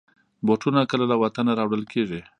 بوټونه کله له وطنه راوړل کېږي.